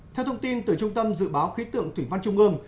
theo thông tin từ trung tâm dự báo khí tượng thủy văn trung ương